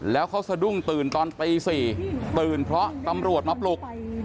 แล้วเขาสะดุ้งตื่นตอนตี๔ตื่นเพราะตำรวจมาปลุก